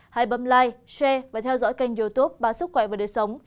hãy bấm like share và theo dõi kênh youtube báo sức khỏe và đời sống